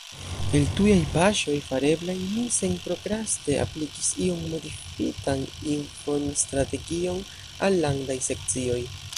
El tujaj paŝoj fareblaj, ni senprokraste aplikis iom modifitan informstrategion al Landaj Sekcioj.